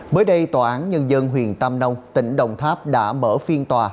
mới đây tòa án nhân dân huyện tam nông tỉnh đồng tháp đã mở phiên tòa